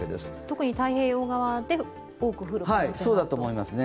特に太平洋側で多く降るんですか？